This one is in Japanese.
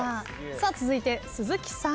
続いて鈴木さん。